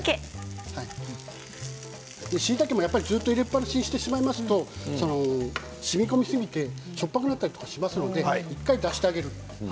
しいたけもずっと入れっぱなしにしてしまいますとしみこみすぎてしょっぱくなったりとかしますので１回出してあげる。